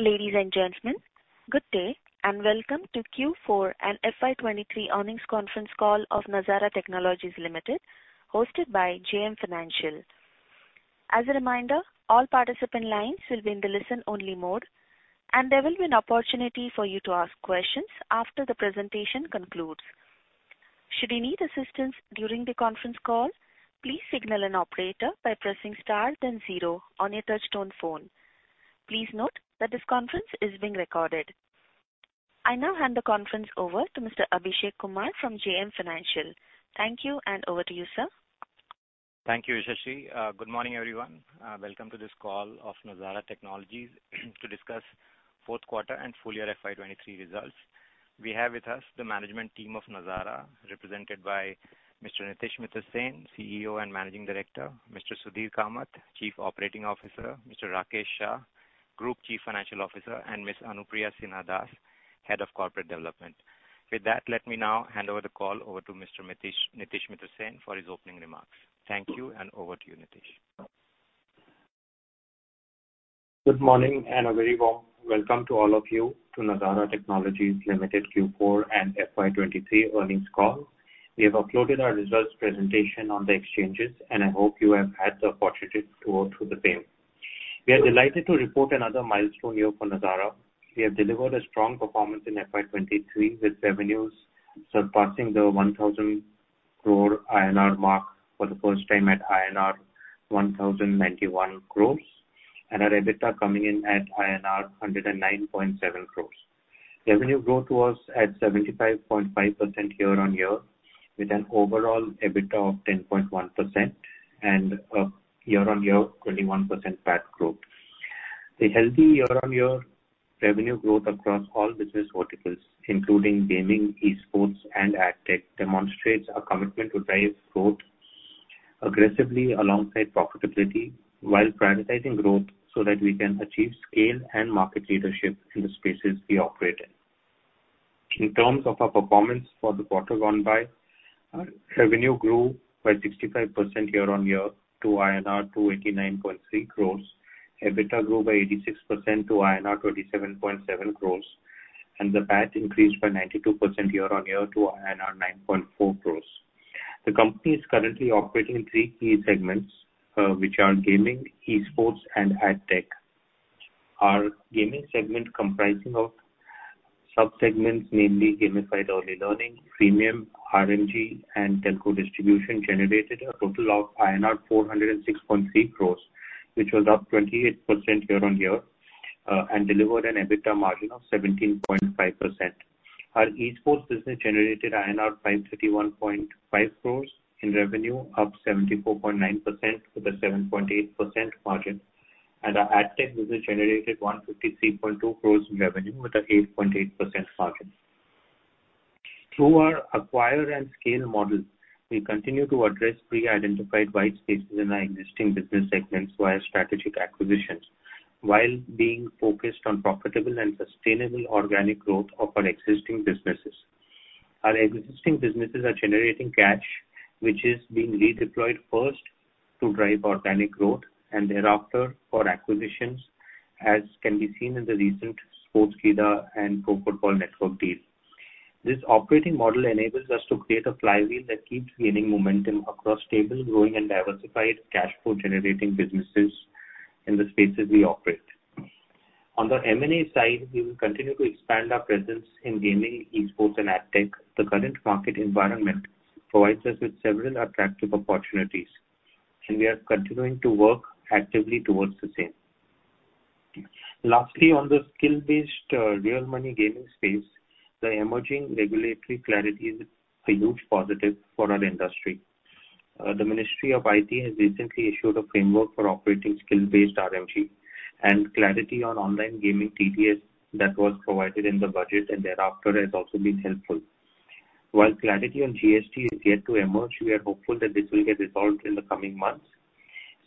Ladies and gentlemen, good day, and welcome to Q4 and FY23 earnings conference call of Nazara Technologies Limited, hosted by JM Financial. As a reminder, all participant lines will be in the listen-only mode, and there will be an opportunity for you to ask questions after the presentation concludes. Should you need assistance during the conference call, please signal an operator by pressing Star then Zero on your touchtone phone. Please note that this conference is being recorded. I now hand the conference over to Mr. Abhishek Kumar from JM Financial. Thank you, and over to you, sir. Thank you, Ishashri. Good morning, everyone. Welcome to this call of Nazara Technologies to discuss fourth quarter and full year FY 2023 results. We have with us the management team of Nazara, represented by Mr. Nitish Mittersain, CEO and Managing Director, Mr. Sudhir Kamath, Chief Operating Officer, Mr. Rakesh Shah, Group Chief Financial Officer, and Ms. Anupriya Sinha Das, Head of Corporate Development. With that, let me now hand over the call over to Mr. Nitish Mittersain for his opening remarks. Thank you, and over to you, Nitish. Good morning, and a very warm welcome to all of you to Nazara Technologies Limited Q4 and FY 2023 earnings call. We have uploaded our results presentation on the exchanges, and I hope you have had the opportunity to go through the same. We are delighted to report another milestone year for Nazara. We have delivered a strong performance in FY 2023, with revenues surpassing the 1,000 crore INR mark for the first time at INR 1,091 crores, and our EBITDA coming in at INR 109.7 crores. Revenue growth was at 75.5% year-on-year, with an overall EBITDA of 10.1% and a year-on-year 21% PAT growth. The healthy year-on-year revenue growth across all business verticals, including gaming, esports, and AdTech, demonstrates our commitment to drive growth aggressively alongside profitability, while prioritizing growth so that we can achieve scale and market leadership in the spaces we operate in. In terms of our performance for the quarter gone by, our revenue grew by 65% year-on-year to INR 289.3 crores. EBITDA grew by 86% to INR 27.7 crores, and the PAT increased by 92% year-on-year to INR 9.4 crores. The company is currently operating in three key segments, which are gaming, esports, and AdTech. Our gaming segment, comprising of sub-segments, mainly gamified early learning, freemium, RMG, and telco distribution, generated a total of INR 406.3 crores, which was up 28% year-on-year, and delivered an EBITDA margin of 17.5%. Our esports business generated INR 531.5 crores in revenue, up 74.9%, with a 7.8% margin, and our AdTech business generated 153.2 crores in revenue, with an 8.8% margin. Through our acquire and scale model, we continue to address pre-identified white spaces in our existing business segments via strategic acquisitions, while being focused on profitable and sustainable organic growth of our existing businesses. Our existing businesses are generating cash, which is being redeployed first to drive organic growth and thereafter for acquisitions, as can be seen in the recent Sportskeeda and Pro Football Network deals. This operating model enables us to create a flywheel that keeps gaining momentum across stable, growing and diversified cashflow-generating businesses in the spaces we operate. On the M&A side, we will continue to expand our presence in gaming, esports and AdTech. The current market environment provides us with several attractive opportunities, and we are continuing to work actively towards the same. Lastly, on the skill-based real money gaming space, the emerging regulatory clarity is a huge positive for our industry. The Ministry of IT has recently issued a framework for operating skill-based RMG, and clarity on online gaming TDS that was provided in the budget and thereafter has also been helpful. While clarity on GST is yet to emerge, we are hopeful that this will get resolved in the coming months.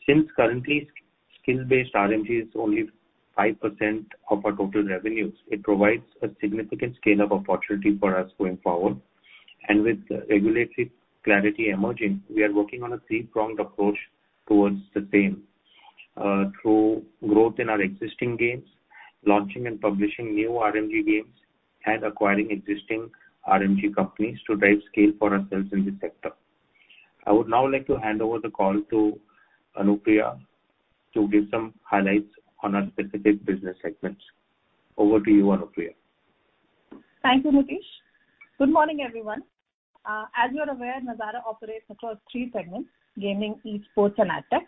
Since currently, skill-based RMG is only 5% of our total revenues, it provides a significant scale-up opportunity for us going forward. With regulatory clarity emerging, we are working on a three-pronged approach towards the same, through growth in our existing games, launching and publishing new RMG games, and acquiring existing RMG companies to drive scale for ourselves in this sector. I would now like to hand over the call to Anupriya to give some highlights on our specific business segments. Over to you, Anupriya. Thank you, Nitish. Good morning, everyone. As you are aware, Nazara operates across three segments: gaming, esports, and AdTech.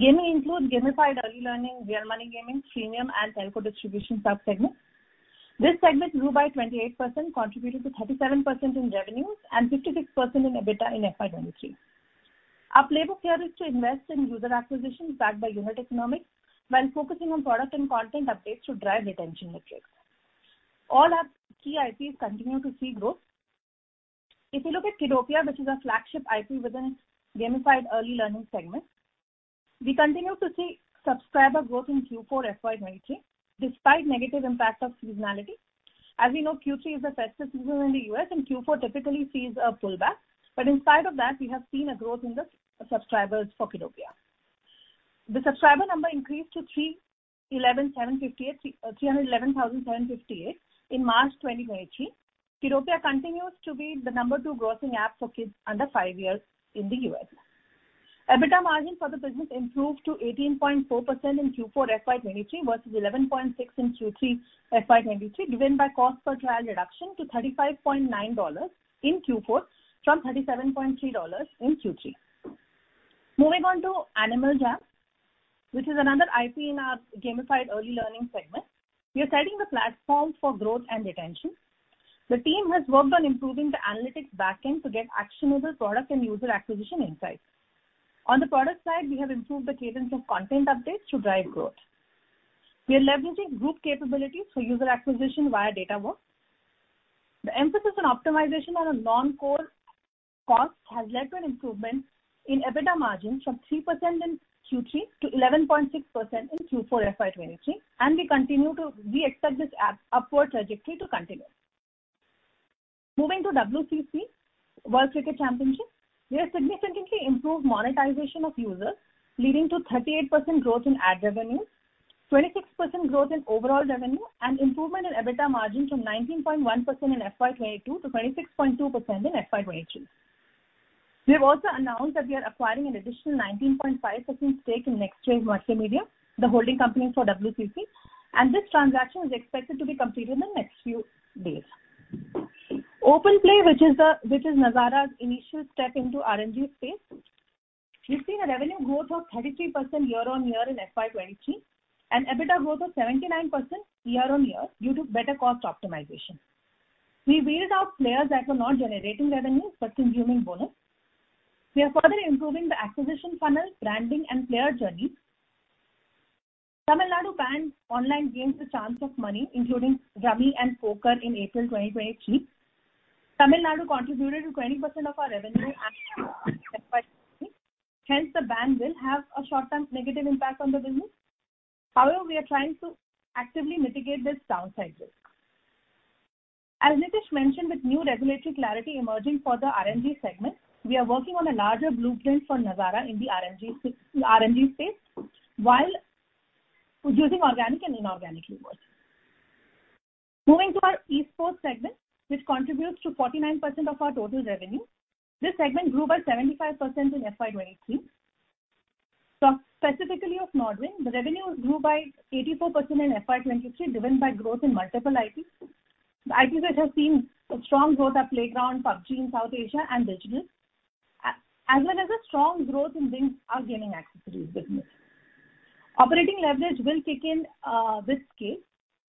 Gaming includes gamified early learning, real money gaming, freemium, and telco distribution sub-segments. This segment grew by 28%, contributing to 37% in revenues and 56% in EBITDA in FY 2023. Our playbook here is to invest in user acquisition backed by unit economics, while focusing on product and content updates to drive retention metrics. All our key IPs continue to see growth. If you look at Kiddopia, which is our flagship IP within gamified early learning segment, we continue to see subscriber growth in Q4 FY 2023, despite negative impact of seasonality. As we know, Q3 is the festive season in the US, and Q4 typically sees a pullback. But in spite of that, we have seen a growth in the subscribers for Kiddopia. The subscriber number increased to 311,758, three hundred and eleven thousand seven hundred fifty-eight in March 2023. Kiddopia continues to be the number 2 grossing app for kids under five years in the U.S. EBITDA margin for the business improved to 18.4% in Q4 FY 2023, versus 11.6% in Q3 FY 2023, driven by cost per trial reduction to $35.9 in Q4, from $37.3 in Q3. Moving on to Animal Jam, which is another IP in our gamified early learning segment. We are setting the platform for growth and retention. The team has worked on improving the analytics backend to get actionable product and user acquisition insights. On the product side, we have improved the cadence of content updates to drive growth. We are leveraging group capabilities for user acquisition via Datawrkz. The emphasis on optimization on a non-core cost has led to an improvement in EBITDA margin from 3% in Q3 to 11.6% in Q4 FY 2023, and we continue to we expect this upward trajectory to continue. Moving to WCC, World Cricket Championship, we have significantly improved monetization of users, leading to 38% growth in ad revenues, 26% growth in overall revenue, and improvement in EBITDA margin from 19.1% in FY 2022 to 26.2% in FY 2023. We have also announced that we are acquiring an additional 19.5% stake in Nextwave Multimedia, the holding company for WCC, and this transaction is expected to be completed in the next few days. OpenPlay, which is Nazara's initial step into RMG space. We've seen a revenue growth of 33% year-on-year in FY 2023, and EBITDA growth of 79% year-on-year due to better cost optimization. We veered out players that were not generating revenue but consuming bonus. We are further improving the acquisition funnel, branding and player journey. Tamil Nadu banned online games of chance of money, including rummy and poker, in April 2023. Tamil Nadu contributed to 20% of our revenue and hence, the ban will have a short-term negative impact on the business. However, we are trying to actively mitigate this downside risk. As Nitish mentioned, with new regulatory clarity emerging for the RNG segment, we are working on a larger blueprint for Nazara in the RNG space, while using organic and inorganic rewards. Moving to our esports segment, which contributes to 49% of our total revenue. This segment grew by 75% in FY 2023. Talk specifically of Nodwin, the revenue grew by 84% in FY 2023, driven by growth in multiple IPs. The IPs which have seen a strong growth are Playground, PUBG in South Asia, and Digitals, as well as a strong growth in our gaming accessories business. Operating leverage will kick in with scale,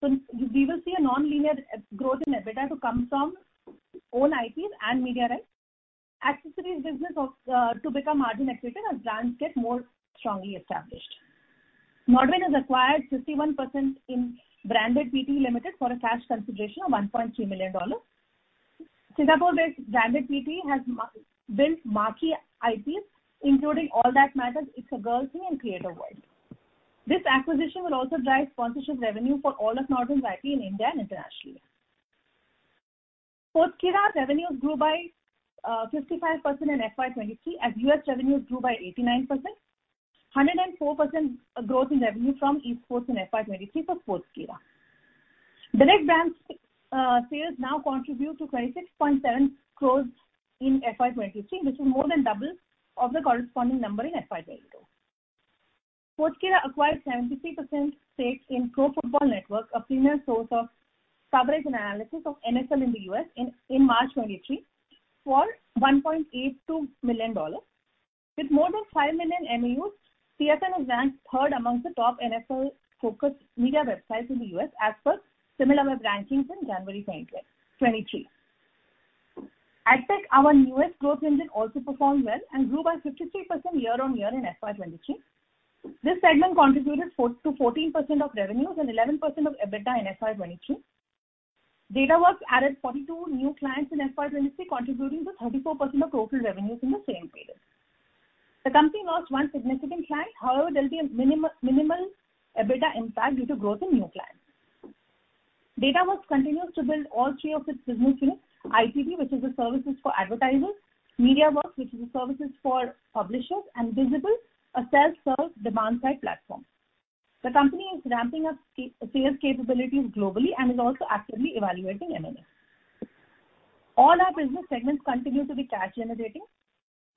so we will see a nonlinear growth in EBITDA to come from own IPs and media rights. Accessories business of to become margin-effective as brands get more strongly established. Nodwin has acquired 51% in Branded Pte. Ltd. for a cash consideration of $1.3 million. Singapore-based Branded Pte. Ltd. has built marquee IPs, including All That Matters, It's a Girl Thing, and CreatorWorld. This acquisition will also drive sponsorship revenue for all of Nodwin's IP in India and internationally. Sportskeeda revenues grew by 55% in FY 2023, as U.S. revenues grew by 89%. 104% growth in revenue from esports in FY 2023 for Sportskeeda. Direct brands sales now contribute to 26.7 crore in FY 2023, which is more than double of the corresponding number in FY 2022. Sportskeeda acquired 73% stake in Pro Football Network, a premier source of coverage and analysis of NFL in the U.S. in March 2023 for $1.82 million. With more than 5 million MAUs, PFN is ranked third amongst the top NFL-focused media websites in the U.S., as per Similarweb rankings in January 2023. AdTech, our newest growth engine, also performed well and grew by 53% year-on-year in FY 2022. This segment contributed to 14% of revenues and 11% of EBITDA in FY 2022. Datawrkz added 42 new clients in FY23, contributing 34% of total revenues in the same period. The company lost one significant client, however, there'll be a minimal EBITDA impact due to growth in new clients. Datawrkz continues to build all three of its business units, ITD, which is the services for advertisers, Mediawrkz, which is services for publishers, and Vizibl, a self-service demand side platform. The company is ramping up sales capabilities globally and is also actively evaluating M&A. All our business segments continue to be cash-generating.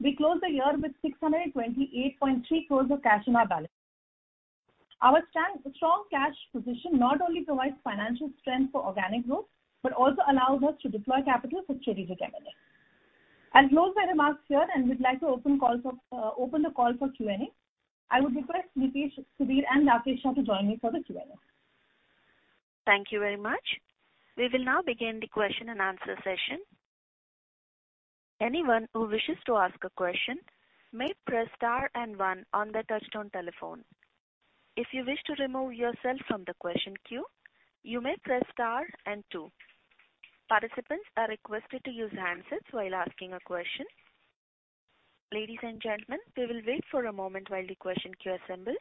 We closed the year with 628.3 crores of cash in our balance. Our strong cash position not only provides financial strength for organic growth, but also allows us to deploy capital for strategic M&A. I'll close my remarks here, and we'd like to open the call for Q&A. I would request Nitish, Sudhir, and Rakesh Shah to join me for the Q&A. Thank you very much. We will now begin the question-and-answer session. Anyone who wishes to ask a question may press star and one on their touchtone telephone. If you wish to remove yourself from the question queue, you may press star and two. Participants are requested to use handsets while asking a question. Ladies and gentlemen, we will wait for a moment while the question queue assembles.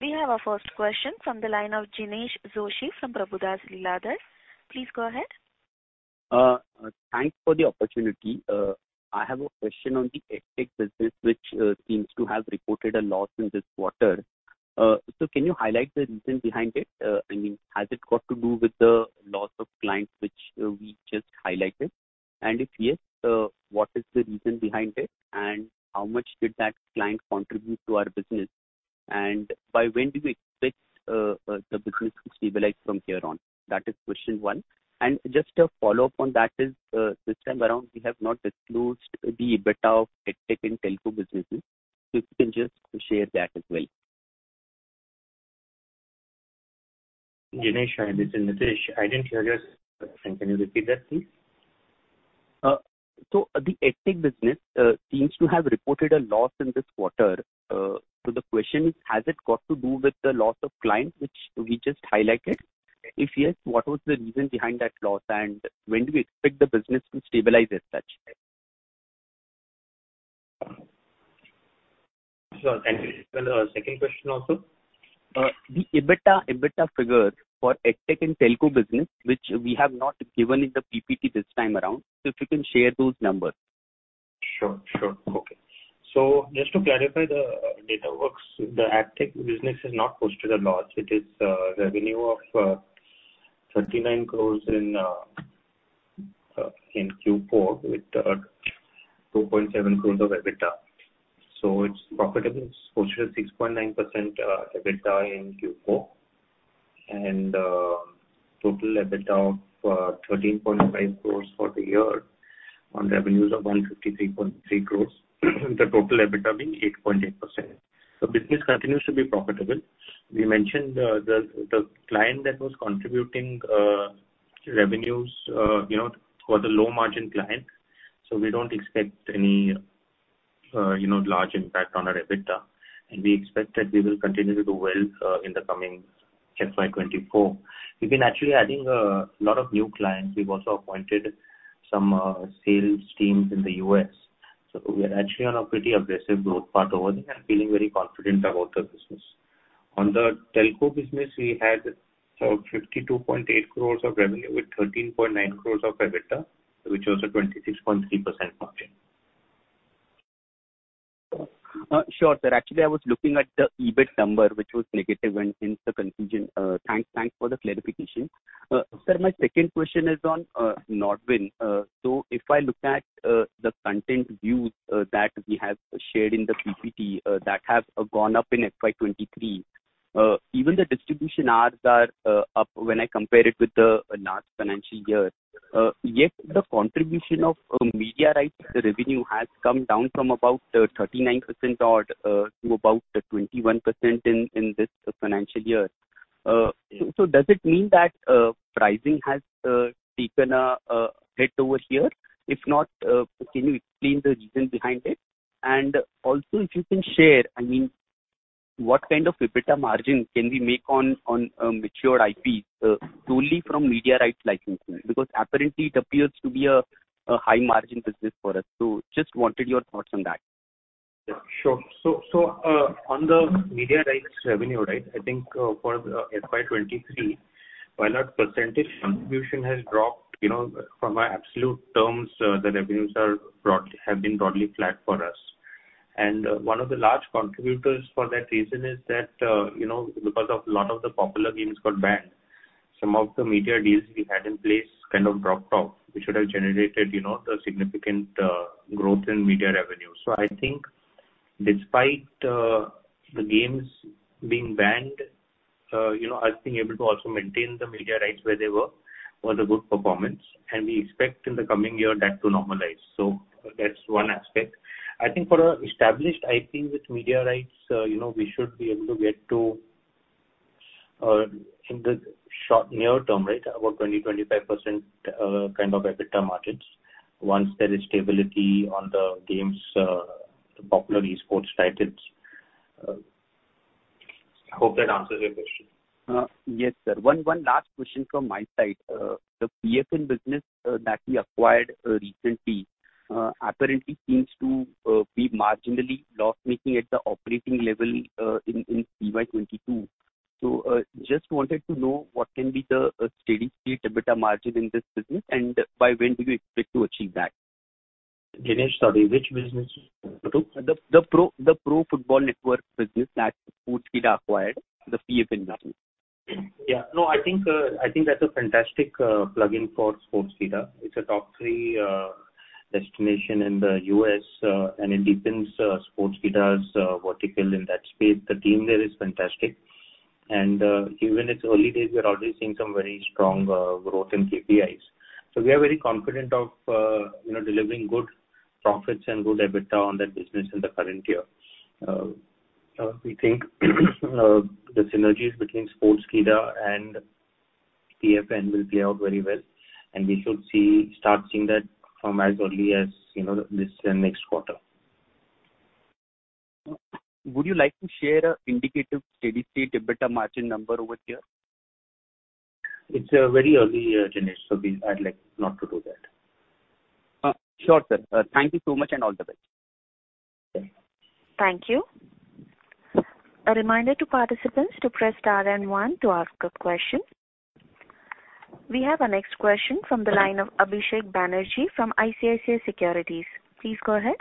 We have our first question from the line of Jinesh Joshi from Prabhudas Lilladher. Please go ahead. Thanks for the opportunity. I have a question on the AdTech business, which seems to have reported a loss in this quarter. Can you highlight the reason behind it? I mean, has it got to do with the loss of clients, which we just highlighted? And if yes, what is the reason behind it, and how much did that client contribute to our business? And by when do we expect the business to stabilize from here on? That is question one. Just a follow-up on that is, this time around, we have not disclosed the EBITDA of AdTech and Telco businesses. If you can just share that as well. Jinesh, this is Nitish. I didn't hear your question. Can you repeat that, please? So the AdTech business seems to have reported a loss in this quarter. So the question is: has it got to do with the loss of clients, which we just highlighted? If yes, what was the reason behind that loss, and when do we expect the business to stabilize as such? Sure. Thank you. Well, second question also. The EBITDA, EBITDA figures for AdTech and telco business, which we have not given in the PPT this time around, so if you can share those numbers. Sure, sure. Okay. So just to clarify the Datawrkz, the AdTech business has not posted a loss. It is revenue of 39 crores in Q4, with 2.7 crores of EBITDA. So it's profitable. It's posted a 6.9% EBITDA in Q4, and total EBITDA of 13.5 crores for the year, on revenues of 153.3 crores, the total EBITDA being 8.8%. The business continues to be profitable. We mentioned the client that was contributing revenues, you know, was a low-margin client, so we don't expect any, you know, large impact on our EBITDA. And we expect that we will continue to do well in the coming FY 2024. We've been actually adding a lot of new clients. We've also appointed some sales teams in the U.S. So we're actually on a pretty aggressive growth path over there and feeling very confident about the business. On the Telco business, we had 52.8 crores of revenue with 13.9 crores of EBITDA, which was a 26.3% margin. Sure, sir. Actually, I was looking at the EBIT number, which was negative and hence the confusion. Thanks, thanks for the clarification. Sir, my second question is on Nodwin. So if I look at the content views that we have shared in the PPT that have gone up in FY 2023, even the distribution hours are up when I compare it with the last financial year. Yet the contribution of media rights, the revenue has come down from about 39% odd to about 21% in this financial year. So does it mean that pricing has taken a hit over here? If not, can you explain the reason behind it? Also, if you can share, I mean, what kind of EBITDA margin can we make on matured IPs solely from media rights licensing? Because apparently, it appears to be a high-margin business for us. So just wanted your thoughts on that. Sure. So, on the media rights revenue, right, I think, for the FY 2023, while our percentage contribution has dropped, you know, from our absolute terms, the revenues are broad, have been broadly flat for us. And, one of the large contributors for that reason is that, you know, because a lot of the popular games got banned, some of the media deals we had in place kind of dropped off. We should have generated, you know, the significant growth in media revenue. So I think despite the games being banned, you know, us being able to also maintain the media rights where they were, was a good performance, and we expect in the coming year that to normalize. So that's one aspect. I think for an established IP with media rights, you know, we should be able to get to, in the short near term, right, about 20%-25% kind of EBITDA margins once there is stability on the games, the popular esports titles. Hope that answers your question. Yes, sir. One last question from my side. The PFN business that we acquired recently apparently seems to be marginally loss-making at the operating level in FY 2022. So, just wanted to know what can be the steady-state EBITDA margin in this business, and by when do you expect to achieve that? Jinesh, sorry, which business are you referring to? The Pro Football Network business that Sportskeeda acquired, the PFN business. Yeah. No, I think, I think that's a fantastic plugin for Sportskeeda. It's a top three destination in the U.S., and it deepens Sportskeeda's vertical in that space. The team there is fantastic. And even it's early days, we are already seeing some very strong growth in KPIs. So we are very confident of, you know, delivering good profits and good EBITDA on that business in the current year. We think the synergies between Sportskeeda and PFN will play out very well, and we should see, start seeing that from as early as, you know, this and next quarter. Would you like to share a indicative steady state EBITDA margin number over here? It's very early, Jinesh, so I'd like not to do that. Sure, sir. Thank you so much, and all the best. Okay. Thank you. A reminder to participants to press star and one to ask a question. We have our next question from the line of Abhisek Banerjee from ICICI Securities. Please go ahead.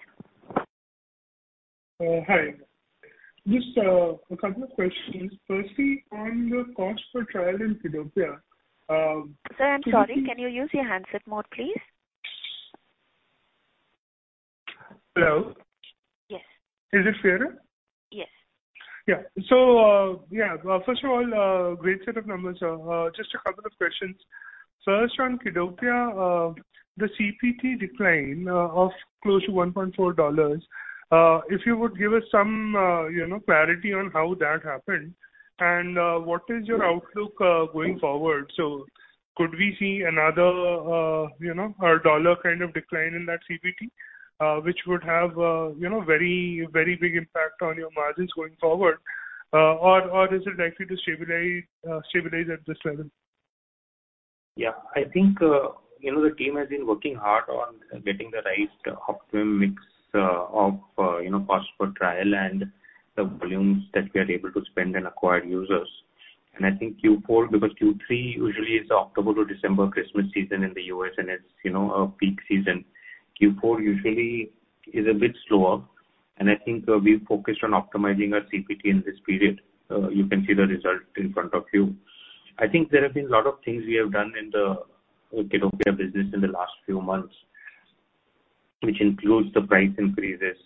Hi. Just, a couple of questions. Firstly, on the cost per trial in Kiddopia, Sir, I'm sorry, can you use your handset mode, please? Hello? Yes. Is it clearer? Yes. Yeah. So, yeah, first of all, great set of numbers. Just a couple of questions. First, on Kiddopia, the CPT decline of close to $1.4, if you would give us some, you know, clarity on how that happened, and what is your outlook going forward? So could we see another, you know, a $1 kind of decline in that CPT, which would have a, you know, very, very big impact on your margins going forward? Or is it likely to stabilize, stabilize at this level? Yeah. I think you know, the team has been working hard on getting the right optimum mix of you know, cost per trial and the volumes that we are able to spend and acquire users. And I think Q4, because Q3 usually is October to December, Christmas season in the U.S., and it's you know, a peak season. Q4 usually is a bit slower, and I think we've focused on optimizing our CPT in this period. You can see the result in front of you. I think there have been a lot of things we have done in the Kiddopia business in the last few months, which includes the price increases.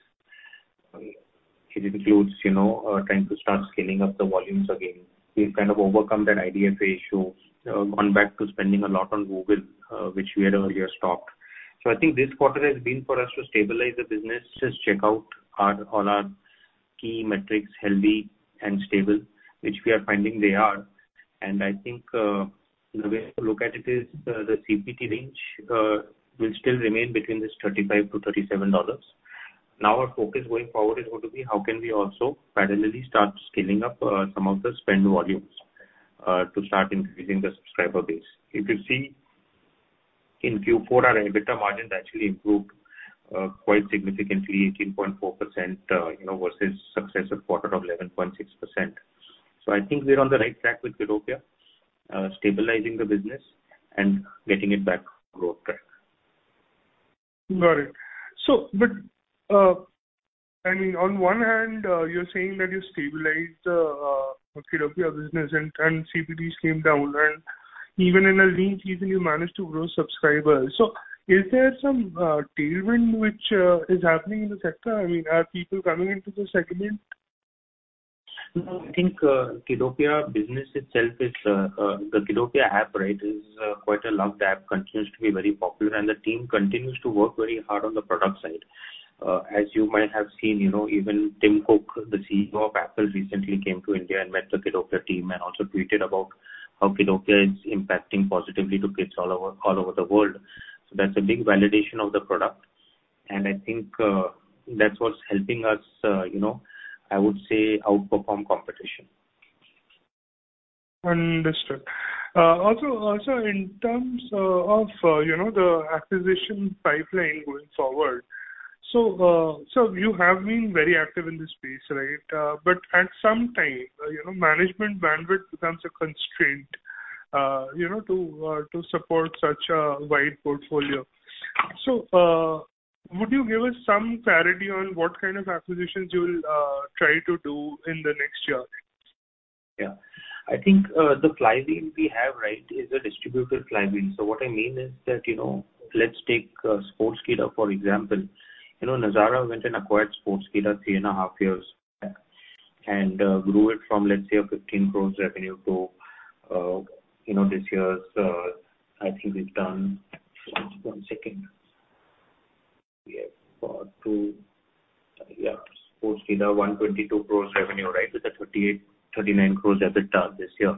It includes you know, trying to start scaling up the volumes again. We've kind of overcome that IDFA issue, gone back to spending a lot on Google, which we had earlier stopped. So I think this quarter has been for us to stabilize the business, just check out our, all our key metrics, healthy and stable, which we are finding they are. And I think, the way to look at it is, the CPT range will still remain between this $35-$37. Now, our focus going forward is going to be how can we also finally start scaling up, some of the spend volumes, to start increasing the subscriber base. If you see, in Q4, our EBITDA margins actually improved, quite significantly, 18.4%, you know, versus successive quarter of 11.6%. I think we're on the right track with Kiddopia, stabilizing the business and getting it back on growth track. Got it. So but, I mean, on one hand, you're saying that you stabilized the Kiddopia business and CPT came down, and even in a lean season, you managed to grow subscribers. So is there some tailwind which is happening in the sector? I mean, are people coming into the segment? I think, Kiddopia business itself is, the Kiddopia app, right, is, quite a loved app, continues to be very popular, and the team continues to work very hard on the product side. As you might have seen, you know, even Tim Cook, the CEO of Apple, recently came to India and met the Kiddopia team and also tweeted about how Kiddopia is impacting positively to kids all over, all over the world. So that's a big validation of the product. And I think, that's what's helping us, you know, I would say, outperform competition. Understood. Also, also in terms of, you know, the acquisition pipeline going forward, so, so you have been very active in this space, right? But at some time, you know, management bandwidth becomes a constraint, you know, to, to support such a wide portfolio. So, would you give us some clarity on what kind of acquisitions you will try to do in the next year? Yeah. I think, the pipeline we have, right, is a distributed pipeline. So what I mean is that, you know, let's take, Sportskeeda, for example. You know, Nazara went and acquired Sportskeeda three and a half years back, and, grew it from, let's say, a 15 crore revenue to, you know, this year's... I think we've done, one second. Yes, two. Yeah, Sportskeeda, 122 crore revenue, right, with a 38-39 crore EBITDA this year.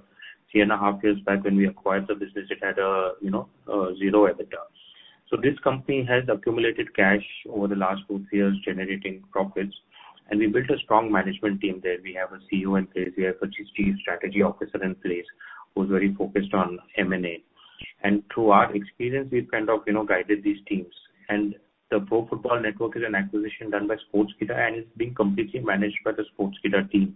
Three and a half years back when we acquired the business, it had, you know, 0 EBITDA. So this company has accumulated cash over the last two years, generating profits, and we built a strong management team there. We have a CEO in place. We have a Chief Strategy Officer in place, who's very focused on M&A. Through our experience, we've kind of, you know, guided these teams. The Pro Football Network is an acquisition done by Sportskeeda, and it's being completely managed by the Sportskeeda team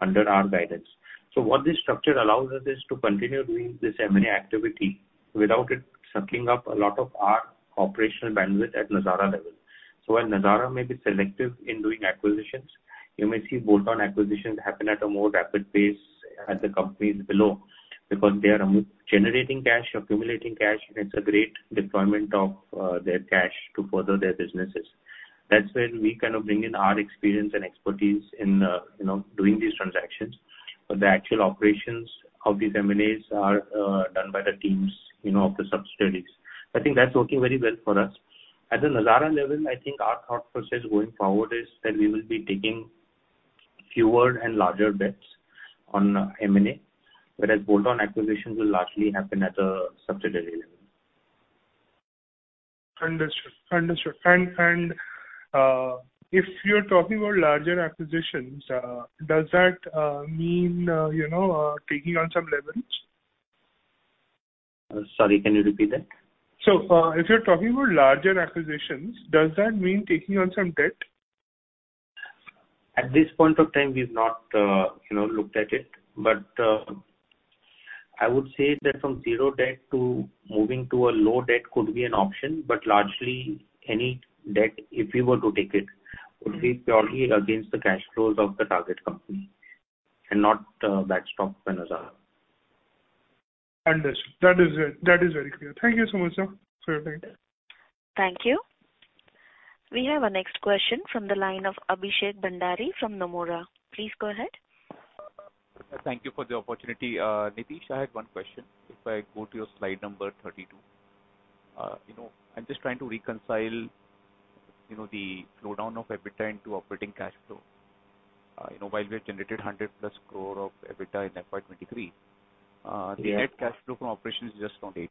under our guidance. So what this structure allows us is to continue doing this M&A activity without it sucking up a lot of our operational bandwidth at Nazara level. While Nazara may be selective in doing acquisitions, you may see bolt-on acquisitions happen at a more rapid pace at the companies below, because they are generating cash, accumulating cash, and it's a great deployment of their cash to further their businesses. That's where we kind of bring in our experience and expertise in, you know, doing these transactions. The actual operations of these M&As are done by the teams, you know, of the subsidiaries. I think that's working very well for us. At the Nazara level, I think our thought process going forward is that we will be taking fewer and larger bets on M&A, whereas bolt-on acquisitions will largely happen at a subsidiary level. Understood. Understood. And, and, if you're talking about larger acquisitions, does that mean, you know, taking on some leverage? Sorry, can you repeat that? If you're talking about larger acquisitions, does that mean taking on some debt? At this point of time, we've not, you know, looked at it, but I would say that from zero debt to moving to a low debt could be an option, but largely any debt, if we were to take it, would be purely against the cash flows of the target company and not backstop by Nazara. Understood. That is it. That is very clear. Thank you so much, sir, for your time. Thank you. We have our next question from the line of Abhishek Bhandari from Nomura. Please go ahead. Thank you for the opportunity. Nitish, I had one question. If I go to your slide number 32, you know, I'm just trying to reconcile, you know, the slowdown of EBITDA into operating cash flow. You know, while we have generated 100+ crore of EBITDA in FY 2023, Yeah. The net cash flow from operations is just on 8.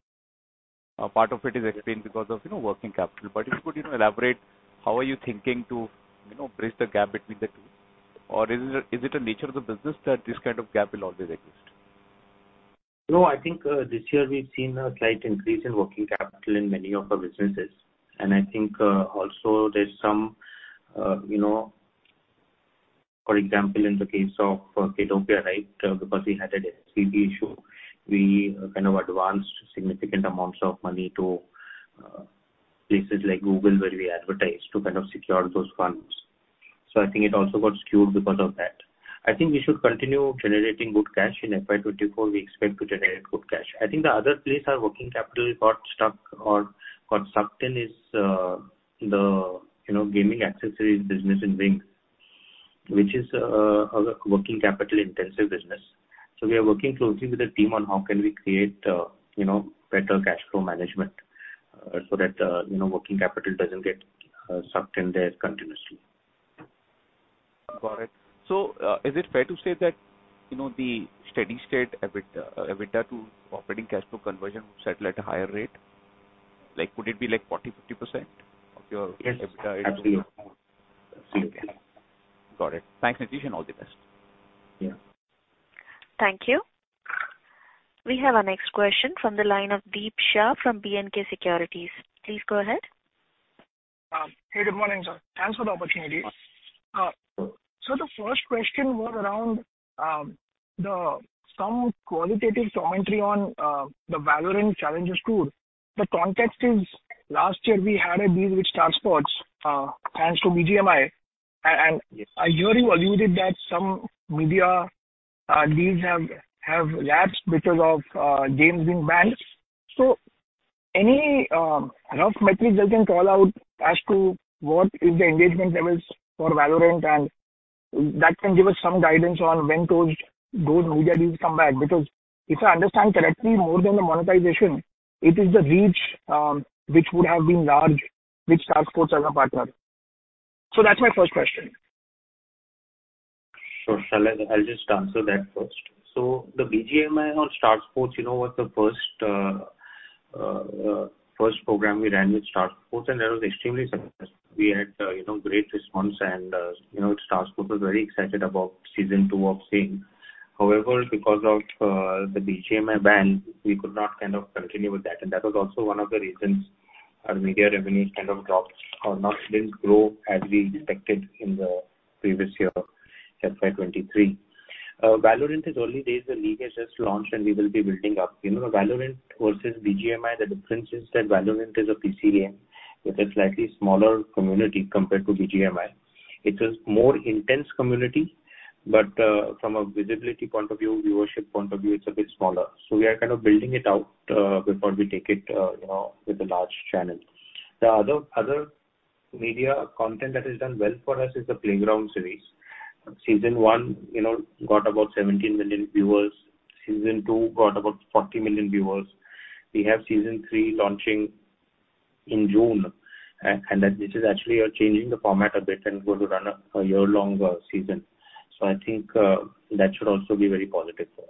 A part of it is explained because of, you know, working capital. But if you could, you know, elaborate, how are you thinking to, you know, bridge the gap between the two? Or is it a, is it a nature of the business that this kind of gap will always exist? No, I think this year we've seen a slight increase in working capital in many of our businesses. I think also there's some, you know. For example, in the case of Kiddopia, right, because we had a DSP issue, we kind of advanced significant amounts of money to places like Google, where we advertise, to kind of secure those funds. So I think it also got skewed because of that. I think we should continue generating good cash in FY 2024. We expect to generate good cash. I think the other place our working capital got stuck or got sucked in is the, you know, gaming accessories business in Wings, which is a working capital-intensive business. So we are working closely with the team on how can we create, you know, better cash flow management, so that, you know, working capital doesn't get sucked in there continuously. Got it. So, is it fair to say that, you know, the steady-state EBITDA, EBITDA to operating cash flow conversion would settle at a higher rate? Like, would it be like 40, 50% of your- Yes, absolutely. Got it. Thanks, Nitish, and all the best. Yeah. Thank you. We have our next question from the line of Deep Shah from B&K Securities. Please go ahead. Hey, good morning, sir. Thanks for the opportunity. So the first question was around some qualitative commentary on the Valorant Challengers Tour. The context is last year we had a deal with Star Sports, thanks to BGMI. And, Yes. I hear you alluded that some media deals have lapsed because of games being banned. So any rough metrics I can call out as to what is the engagement levels for Valorant, and that can give us some guidance on when those media deals come back? Because if I understand correctly, more than the monetization, it is the reach, which would have been large with Star Sports as a partner. So that's my first question. Sure. Shall I... I'll just answer that first. So the BGMI on Star Sports, you know, was the first program we ran with Star Sports, and that was extremely successful. We had, you know, great response and, you know, Star Sports was very excited about season two of same. However, because of the BGMI ban, we could not kind of continue with that, and that was also one of the reasons our media revenues kind of dropped or not, didn't grow as we expected in the previous year, FY 2023. Valorant is early days. The league has just launched, and we will be building up. You know, Valorant versus BGMI, the difference is that Valorant is a PC game with a slightly smaller community compared to BGMI. It is more intense community, but from a visibility point of view, viewership point of view, it's a bit smaller. So we are kind of building it out before we take it, you know, with a large channel. The other media content that has done well for us is the Playground series. Season one, you know, got about 17 million viewers. Season two got about 40 million viewers. We have Season three launching in June, and that, which is actually changing the format a bit and going to run a year-long season. So I think that should also be very positive for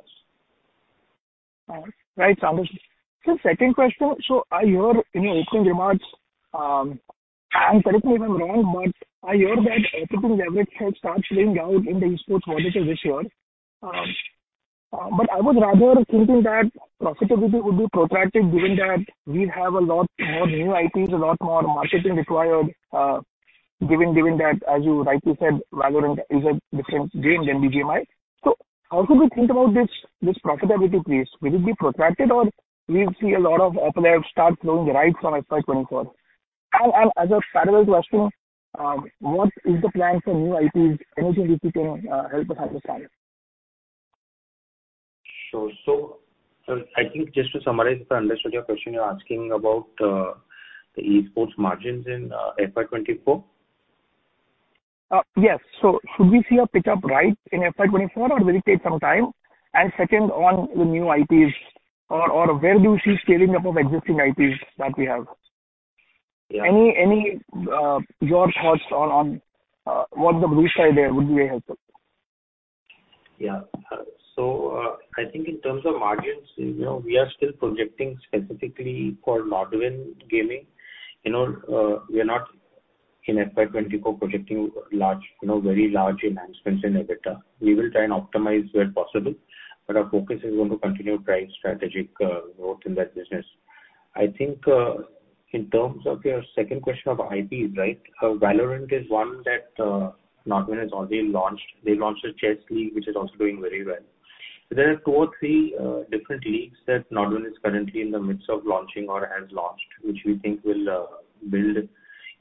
us. Right. So second question: So I hear in your opening remarks, and correct me if I'm wrong, but I hear that operating leverage had start playing out in the esports vertical this year. But I was rather thinking that profitability would be protracted, given that we have a lot more new IPs, a lot more marketing required, given that, as you rightly said, Valorant is a different game than BGMI. So how could we think about this, this profitability piece? Will it be protracted, or we'll see a lot of operating leverage start flowing right from FY 2024? And, as a parallel question, what is the plan for new IPs? Anything that you can help us understand. Sure. So, I think just to summarize, if I understood your question, you're asking about the esports margins in FY 2024? Yes. So should we see a pickup right in FY 2024, or will it take some time? And second, on the new IPs or where do you see scaling up of existing IPs that we have? Any, your thoughts on what the blue sky there would be helpful? Yeah. So, I think in terms of margins, you know, we are still projecting specifically for Nodwin Gaming. You know, we are not in FY 2024 projecting large, you know, very large enhancements in EBITDA. We will try and optimize where possible, but our focus is going to continue driving strategic growth in that business. I think, in terms of your second question of IPs, right? Valorant is one that Nodwin has already launched. They launched a chess league, which is also doing very well. There are two or three different leagues that Nodwin is currently in the midst of launching or has launched, which we think will build,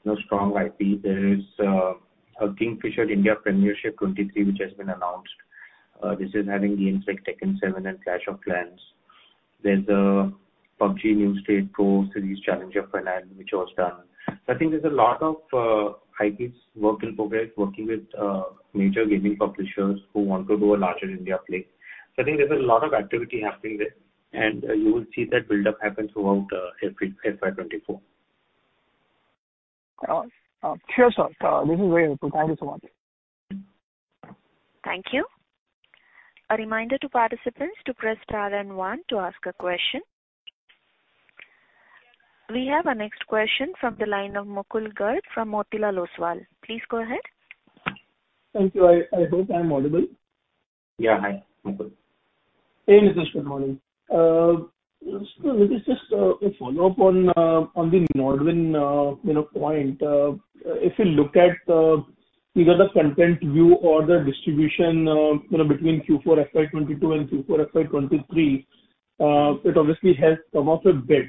you know, strong IP. There is a Kingfisher India Premiership 2023, which has been announced. This is having games like Tekken 7 and Clash of Clans. There's PUBG New State Pro Series Challenge of Banan, which was done. I think there's a lot of IP work in progress, working with major gaming publishers who want to do a larger India play. So I think there's a lot of activity happening there, and you will see that build-up happen throughout FY, FY 2024. Sure, sir. This is very helpful. Thank you so much. Thank you. A reminder to participants to press star and one to ask a question. We have our next question from the line of Mukul Garg from Motilal Oswal. Please go ahead. Thank you. I hope I'm audible. Yeah, hi, Mukul. Hey, Nitish, good morning. So this is just a follow-up on the Nodwin point. If you look at either the content view or the distribution between Q4 FY 2022 and Q4 FY 2023, it obviously has come up a bit.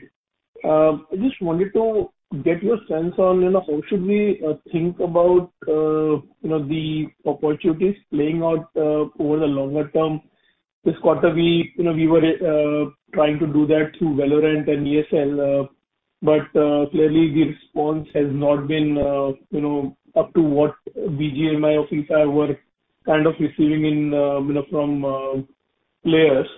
I just wanted to get your sense on how should we think about the opportunities playing out over the longer term? This quarter, we were trying to do that through Valorant and ESL, but clearly the response has not been up to what BGMI or Free Fire were kind of receiving from players.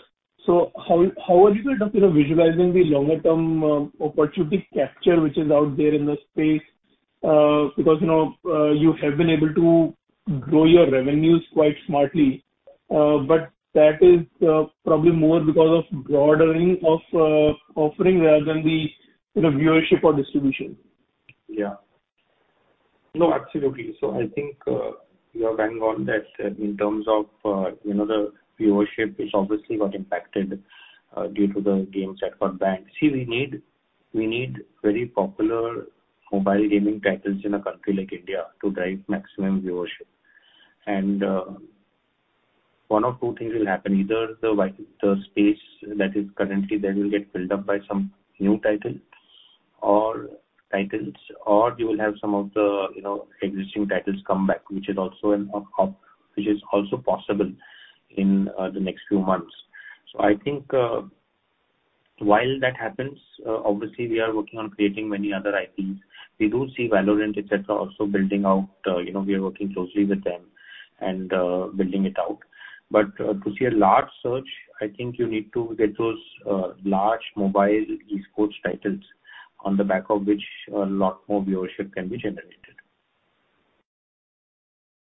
So how are you kind of visualizing the longer-term opportunity capture, which is out there in the space? Because, you know, you have been able to grow your revenues quite smartly, but that is probably more because of broadening of offering rather than the, you know, viewership or distribution. Yeah. No, absolutely. So I think, you are bang on that in terms of, you know, the viewership, which obviously got impacted, due to the games that got banned. See, we need very popular mobile gaming titles in a country like India to drive maximum viewership. And, one of two things will happen: either the space that is currently there will get built up by some new title or titles, or you will have some of the, you know, existing titles come back, which is also an up, which is also possible in, the next few months. So I think, while that happens, obviously we are working on creating many other IPs. We do see Valorant, et cetera, also building out, you know, we are working closely with them and, building it out. To see a large surge, I think you need to get those large mobile esports titles, on the back of which a lot more viewership can be generated.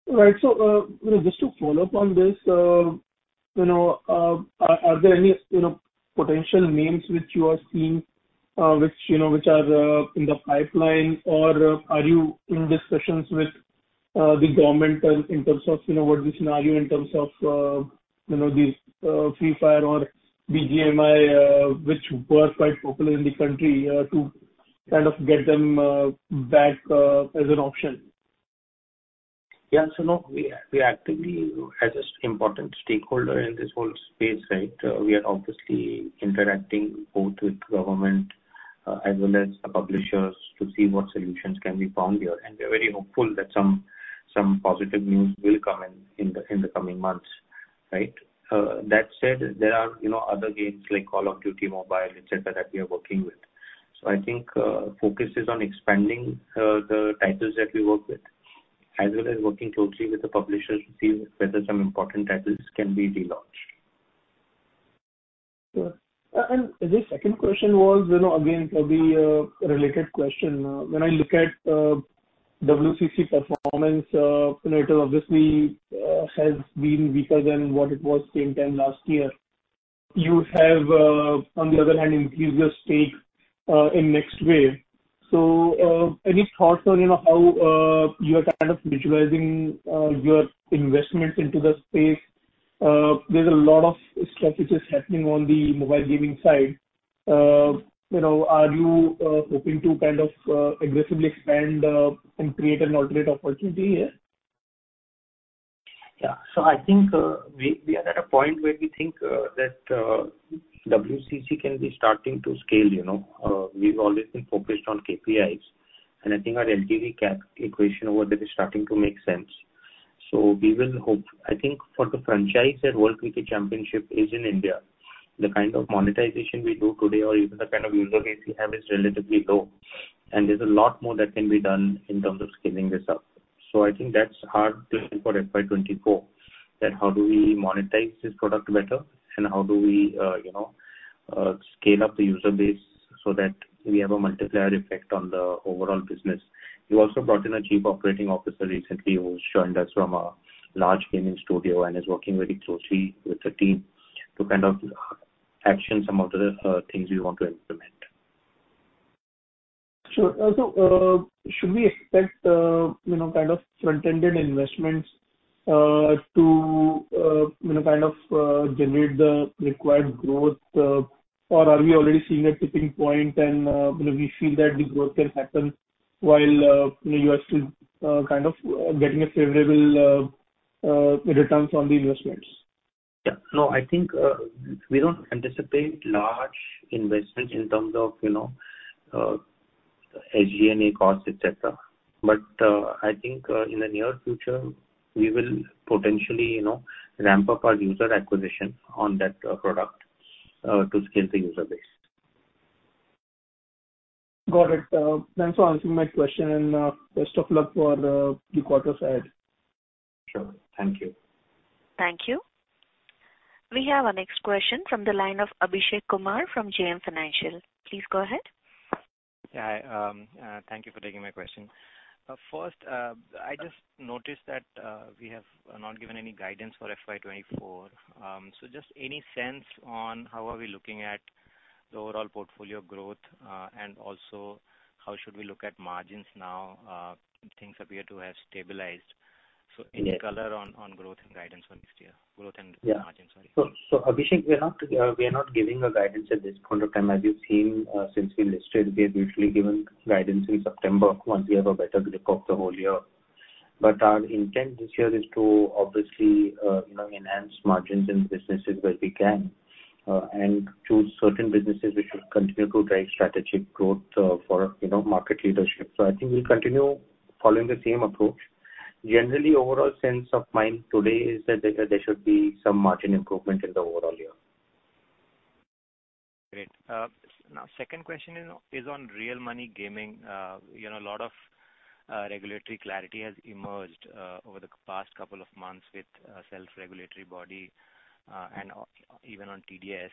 Right. So, you know, just to follow up on this, you know, are there any potential names which you are seeing, which are in the pipeline? Or are you in discussions with the government in terms of what the scenario in terms of these Free Fire or BGMI, which were quite popular in the country, to kind of get them back as an option? Yeah. So, no, we actively, as an important stakeholder in this whole space, right, we are obviously interacting both with government, as well as the publishers to see what solutions can be found here. And we are very hopeful that some positive news will come in, in the coming months, right? That said, there are, you know, other games like Call of Duty Mobile, et cetera, that we are working with. So I think, focus is on expanding, the titles that we work with, as well as working closely with the publishers to see whether some important titles can be relaunched. Sure. And the second question was, you know, again, probably a related question. When I look at, WCC performance, you know, it obviously, has been weaker than what it was same time last year. You have, on the other hand, increased your stake, in Nextwave. So, any thoughts on, you know, how, you are kind of visualizing, your investments into the space? There's a lot of strategies happening on the mobile gaming side. You know, are you, hoping to kind of, aggressively expand, and create an alternate opportunity here? Yeah. So I think, we are at a point where we think that WCC can be starting to scale, you know. We've always been focused on KPIs, and I think our LTV/CAC equation over that is starting to make sense. So we will hope... I think for the franchise that World Cricket Championship is in India, the kind of monetization we do today or even the kind of user base we have is relatively low, and there's a lot more that can be done in terms of scaling this up.... So I think that's hard to for FY 2024, that how do we monetize this product better and how do we, you know, scale up the user base so that we have a multiplier effect on the overall business? We also brought in a chief operating officer recently, who's joined us from a large gaming studio and is working very closely with the team to kind of action some of the things we want to implement. Sure. Also, should we expect, you know, kind of front-ended investments to you know, kind of generate the required growth, or are we already seeing a tipping point and, you know, we feel that the growth can happen while you are still kind of getting a favorable returns on the investments? Yeah. No, I think, we don't anticipate large investments in terms of, you know, SG&A costs, et cetera. But, I think, in the near future, we will potentially, you know, ramp up our user acquisition on that, product, to scale the user base. Got it. Thanks for answering my question, and best of luck for the quarters ahead. Sure. Thank you. Thank you. We have our next question from the line of Abhishek Kumar from JM Financial. Please go ahead. Yeah, thank you for taking my question. First, I just noticed that we have not given any guidance for FY 24. So just any sense on how are we looking at the overall portfolio growth, and also, how should we look at margins now, things appear to have stabilized. Yeah. Any color on growth and guidance for next year? Growth and margins, sorry. Yeah. So, Abhishek, we are not giving a guidance at this point of time. As you've seen, since we listed, we have usually given guidance in September, once we have a better grip of the whole year. But our intent this year is to obviously, you know, enhance margins in businesses where we can, and choose certain businesses which will continue to drive strategic growth, for, you know, market leadership. So I think we'll continue following the same approach. Generally, overall sense of mind today is that there should be some margin improvement in the overall year. Great. Now, second question is on real money gaming. You know, a lot of regulatory clarity has emerged over the past couple of months with a self-regulatory body and even on TDS.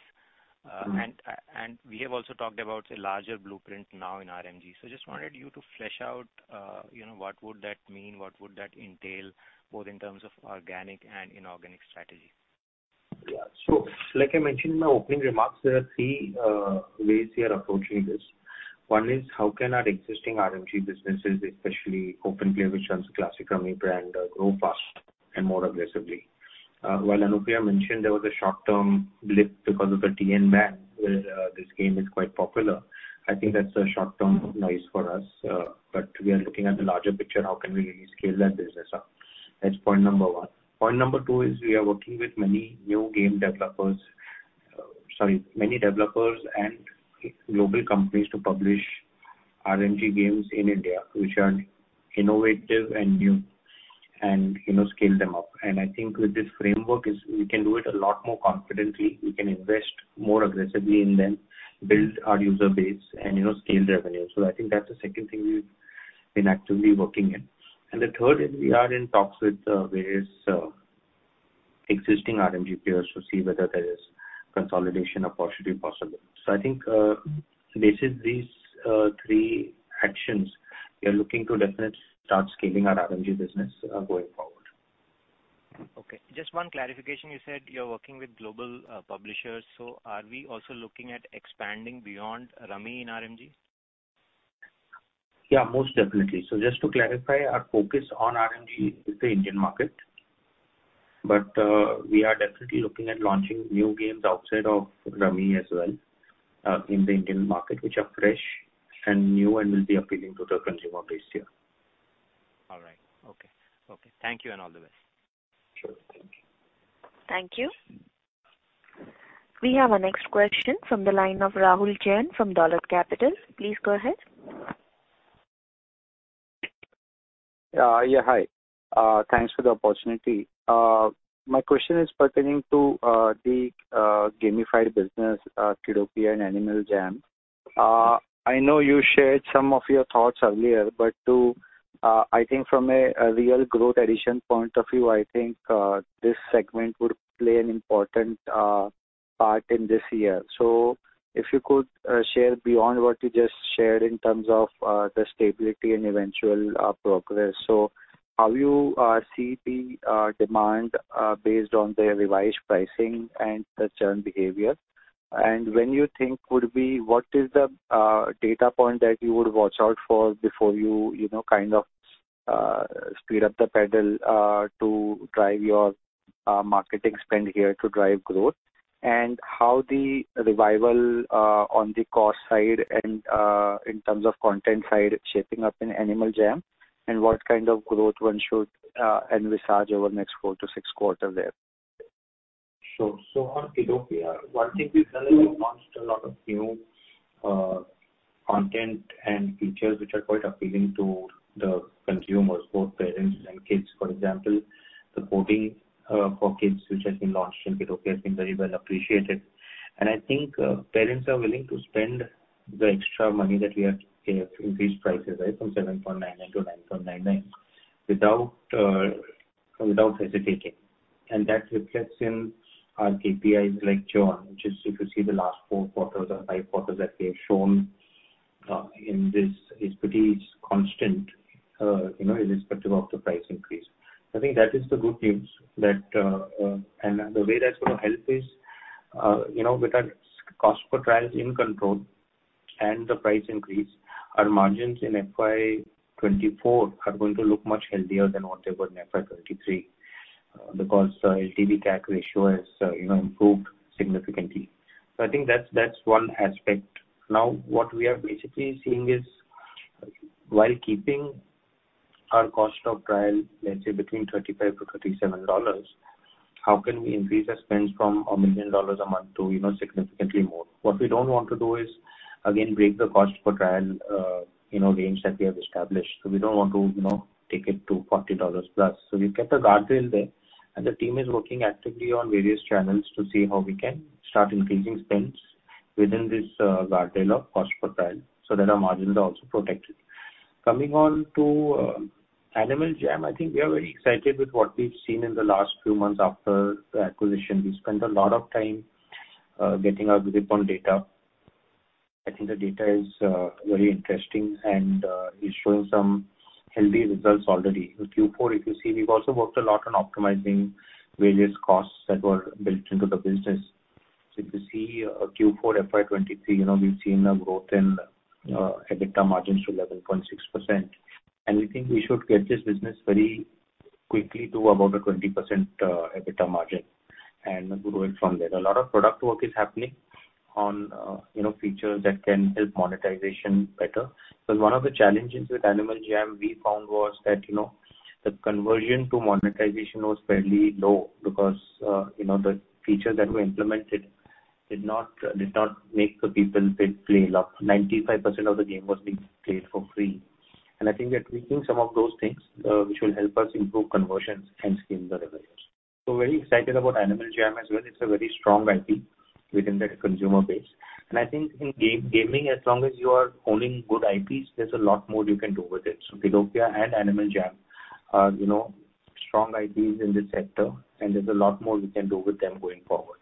We have also talked about a larger blueprint now in RMG. So just wanted you to flesh out, you know, what would that mean? What would that entail, both in terms of organic and inorganic strategy? Yeah. So like I mentioned in my opening remarks, there are three ways we are approaching this. One is, how can our existing RMG businesses, especially OpenPlay, which runs Classic Rummy brand, grow fast and more aggressively? Well, Anupriya mentioned there was a short-term blip because of the Tamil Nadu ban, where this game is quite popular. I think that's a short-term noise for us, but we are looking at the larger picture, how can we scale that business up? That's point number one. Point number two is we are working with many new game developers, Sorry, many developers and global companies to publish RMG games in India, which are innovative and new, and, you know, scale them up. And I think with this framework is we can do it a lot more confidently. We can invest more aggressively in them, build our user base and, you know, scale revenue. So I think that's the second thing we've been actively working in. And the third is we are in talks with various existing RMG peers to see whether there is consolidation or what should be possible. So I think, based on these three actions, we are looking to definitely start scaling our RMG business going forward. Okay, just one clarification. You said you're working with global publishers, so are we also looking at expanding beyond Rummy in RMG? Yeah, most definitely. So just to clarify, our focus on RMG is the Indian market. But, we are definitely looking at launching new games outside of Rummy as well, in the Indian market, which are fresh and new and will be appealing to the consumer base here. All right. Okay. Okay, thank you, and all the best. Sure. Thank you. Thank you. We have our next question from the line of Rahul Jain from Dolat Capital. Please go ahead. Yeah, hi. Thanks for the opportunity. My question is pertaining to the Gamified business, Kiddopia and Animal Jam. I know you shared some of your thoughts earlier, but to, I think from a real growth addition point of view, I think this segment would play an important part in this year. So if you could share beyond what you just shared in terms of the stability and eventual progress. So how you see the demand based on the revised pricing and the churn behavior? And when you think would be, what is the data point that you would watch out for before you, you know, kind of speed up the pedal to drive your marketing spend here to drive growth? How the revival on the cost side and in terms of content side shaping up in Animal Jam, and what kind of growth one should envisage over the next four-to-six quarter there? Sure. So on Kiddopia, one thing we've done is we've launched a lot of new, content and features which are quite appealing to the consumers, both parents and kids. For example, the coding, for kids, which has been launched in Kiddopia, has been very well appreciated. And I think, parents are willing to spend the extra money that we have, you know, increased prices, right, from $7.99 to $9.99, without, without hesitating. And that reflects in our KPIs like churn, which is if you see the last four quarters or five quarters that we have shown, in this, it's pretty constant, you know, irrespective of the price increase. I think that is the good news that, and the way that's going to help is, you know, with our cost per trials in control and the price increase, our margins in FY 2024 are going to look much healthier than what they were in FY 2023, because, LTV CAC ratio has, you know, improved significantly. So I think that's, that's one aspect. Now, what we are basically seeing is, while keeping our cost of trial, let's say between $35-$37, how can we increase our spends from $1 million a month to, you know, significantly more? What we don't want to do is, again, break the cost per trial, you know, range that we have established. So we don't want to, you know, take it to $40 plus. So we've kept a guardrail there, and the team is working actively on various channels to see how we can start increasing spends within this guardrail of cost per trial, so that our margins are also protected. Coming on to Animal Jam, I think we are very excited with what we've seen in the last few months after the acquisition. We spent a lot of time getting our grip on data. I think the data is very interesting and is showing some healthy results already. In Q4, if you see, we've also worked a lot on optimizing various costs that were built into the business. So if you see, Q4 FY 2023, you know, we've seen a growth in EBITDA margins to 11.6%, and we think we should get this business very quickly to about a 20% EBITDA margin and grow it from there. A lot of product work is happening on, you know, features that can help monetization better. Because one of the challenges with Animal Jam we found was that, you know, the conversion to monetization was fairly low because, you know, the features that were implemented did not make the people pay, play a lot. 95% of the game was being played for free. And I think we are tweaking some of those things, which will help us improve conversions and scale the revenues. So very excited about Animal Jam as well. It's a very strong IP within that consumer base. I think in game, gaming, as long as you are owning good IPs, there's a lot more you can do with it. Kiddopia and Animal Jam are, you know, strong IPs in this sector, and there's a lot more we can do with them going forward.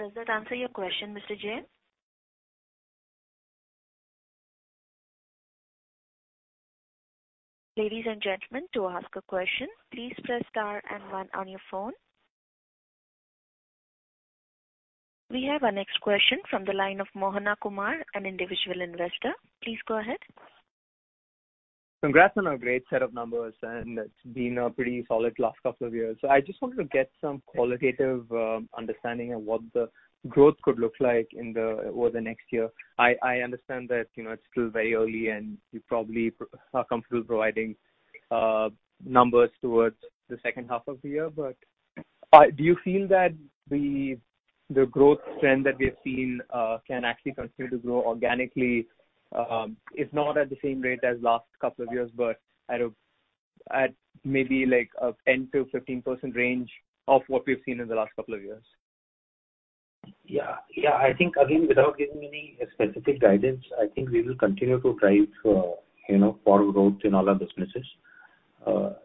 Does that answer your question, Mr. Jain? Ladies and gentlemen, to ask a question, please press star and one on your phone. We have our next question from the line of Mohana Kumar, an individual investor. Please go ahead. Congrats on a great set of numbers, and it's been a pretty solid last couple of years. So I just wanted to get some qualitative understanding of what the growth could look like over the next year. I understand that, you know, it's still very early and you probably are comfortable providing numbers towards the second half of the year. But do you feel that the growth trend that we have seen can actually continue to grow organically? If not at the same rate as last couple of years, but at a, at maybe like a 10%-15% range of what we've seen in the last couple of years. Yeah. Yeah, I think again, without giving any specific guidance, I think we will continue to drive, you know, for growth in all our businesses, so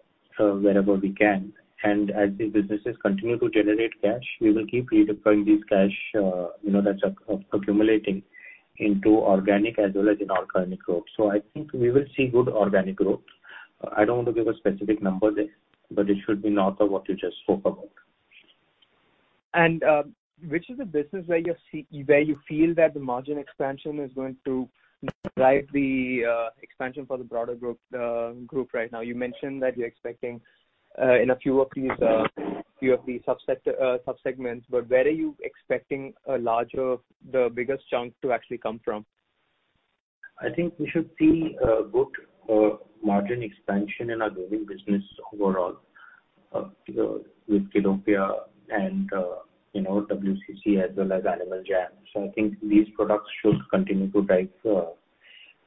wherever we can. And as the businesses continue to generate cash, we will keep redeploying this cash, you know, that's accumulating into organic as well as inorganic growth. So I think we will see good organic growth. I don't want to give a specific number there, but it should be north of what you just spoke about. Which is the business where you feel that the margin expansion is going to drive the expansion for the broader group right now? You mentioned that you're expecting in a few of these sub-segments, but where are you expecting the biggest chunk to actually come from? I think we should see good margin expansion in our gaming business overall, with Kiddopia and, you know, WCC as well as Animal Jam. So I think these products should continue to drive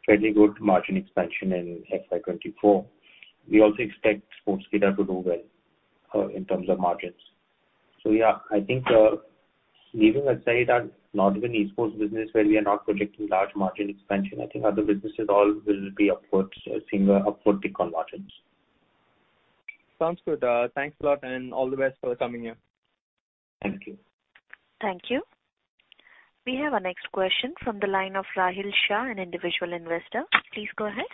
fairly good margin expansion in FY 2024. We also expect Sportskeeda to do well in terms of margins. So yeah, I think, leaving aside our not even esports business, where we are not projecting large margin expansion, I think other businesses all will be upwards, seeing an upward tick on margins. Sounds good. Thanks a lot, and all the best for coming here. Thank you. Thank you. We have our next question from the line of Rahil Shah, an individual investor. Please go ahead.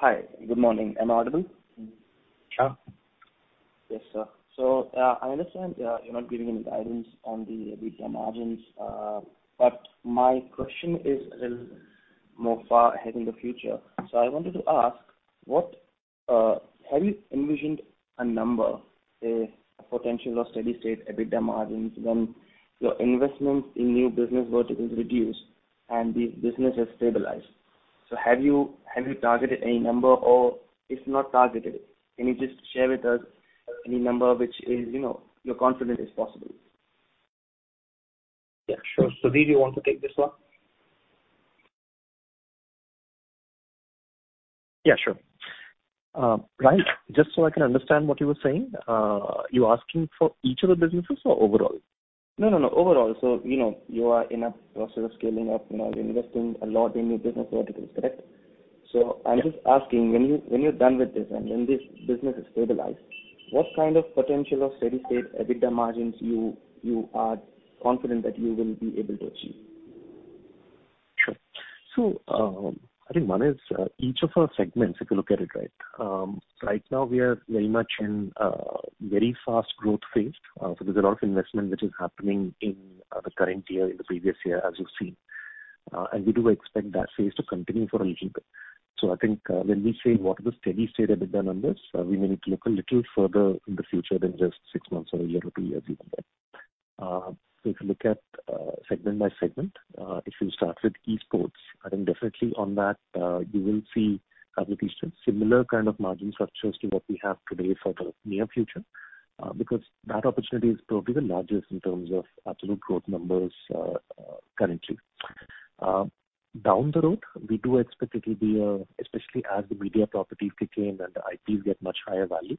Hi, good morning. Am I audible? Sure. Yes, sir. So, I understand, you're not giving any guidance on the EBITDA margins, but my question is a little more far ahead in the future. So I wanted to ask, what have you envisioned a number, a potential or steady state EBITDA margins when your investments in new business verticals reduce and the business has stabilized? So have you, have you targeted any number, or if not targeted, can you just share with us any number which is, you know, you're confident is possible? Yeah, sure. Sudhir, do you want to take this one? Yeah, sure. Rahil, just so I can understand what you were saying, you're asking for each of the businesses or overall? No, no, no, overall. So, you know, you are in a process of scaling up, you know, investing a lot in new business verticals, correct? So I'm just asking, when you, when you're done with this and when this business is stabilized, what kind of potential of steady-state EBITDA margins you, you are confident that you will be able to achieve? Sure. So, I think, Manish, each of our segments, if you look at it, right, right now we are very much in a very fast growth phase. So there's a lot of investment which is happening in the current year, in the previous year, as you've seen. And we do expect that phase to continue for a little bit. So I think, when we say what are the steady-state EBITDA numbers, we may need to look a little further in the future than just six months or a year or two years even then. So if you look at segment by segment, if you start with esports, I think definitely on that, you will see at least a similar kind of margin structures to what we have today for the near future, because that opportunity is probably the largest in terms of absolute growth numbers currently. Down the road, we do expect it will be, especially as the media properties kick in and the IPs get much higher value,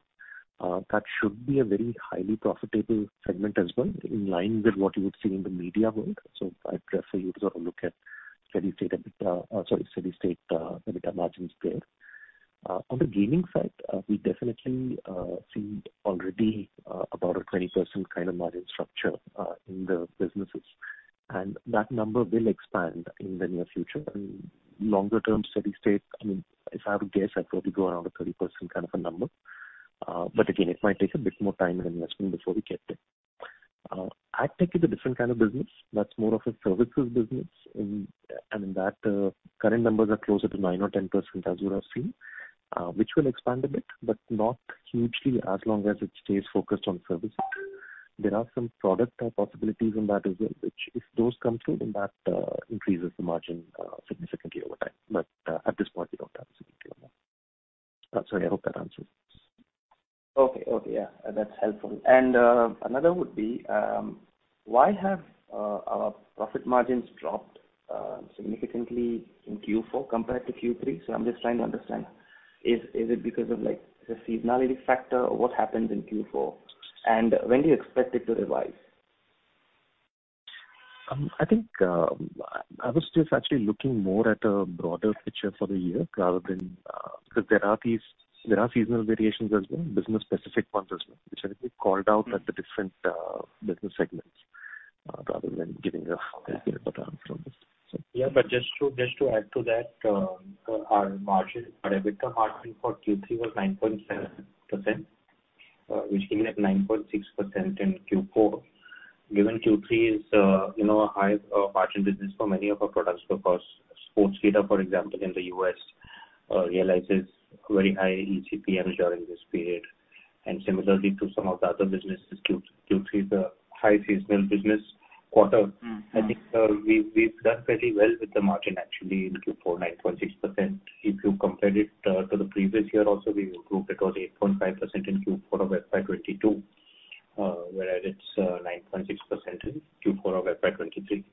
that should be a very highly profitable segment as well, in line with what you would see in the media world. So I'd prefer you to sort of look at steady-state EBITDA, steady-state, EBITDA margins there. On the gaming side, we definitely see already about a 20% kind of margin structure in the businesses, and that number will expand in the near future. Longer-term, steady-state, I mean, if I were to guess, I'd probably go around a 30% kind of a number. But again, it might take a bit more time and investment before we get there. AdTech is a different kind of business. That's more of a services business, and in that, current numbers are closer to 9% or 10%, as you would have seen, which will expand a bit, but not hugely, as long as it stays focused on services. There are some product possibilities in that as well, which, if those come through, then that increases the margin significantly over time. But, at this point, we don't have significant amount. Sorry, I hope that answers. Okay. Okay, yeah, that's helpful. And, another would be, why have profit margins dropped significantly in Q4 compared to Q3? So I'm just trying to understand, is, is it because of, like, the seasonality factor, or what happened in Q4, and when do you expect it to revise? I think I was just actually looking more at a broader picture for the year rather than, because there are these seasonal variations as well, business-specific ones as well, which I think we called out at the different business segments rather than giving a breakdown from this. Yeah, but just to add to that, our margins, our EBITDA margin for Q3 was 9.7%, which came at 9.6% in Q4. Given Q3 is, you know, a high margin business for many of our products, because sports data, for example, in the U.S., realizes very high ECPM during this period, and similarly to some of the other businesses, Q3 is a high seasonal business quarter. I think, we've done fairly well with the margin actually in Q4, 9.6%. If you compare it to the previous year also, we grew it to 8.5% in Q4 of FY 2022, whereas it's 9.6% in Q4 of FY 2023.